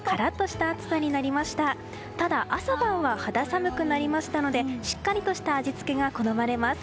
ただ、朝晩は肌寒くなりましたのでしっかりとした味付けが好まれます。